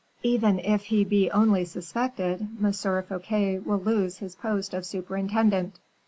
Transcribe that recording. "Even if he be only suspected, M. Fouquet will lose his post of superintendent."